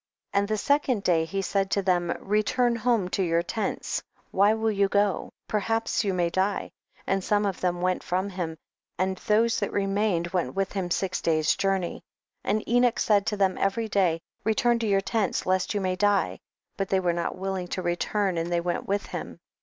33. And the second day he said to them, return home to your tents, why will you go ? perhaps you may die ; and some of them went from him, and those that remained went with him six day's journey ; and Enoch said to them every day, re turn to your tents, lest you may die ; but they were not willing to return, and thcv went with him.